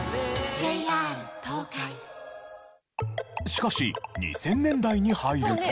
しかし２０００年代に入ると。